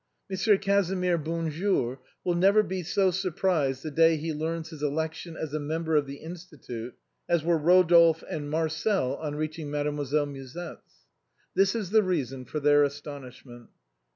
M. Casimir Bonjour will never be so surprised the day he learns his election as a member of the Institute as were Eodolphe and Marcel on reaching Mademoiselle Musette's. This is the reason of their astonishment.